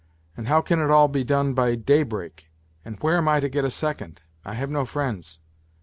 And how can it all be done by daybreak? And where am I to get a second ? I have no friends.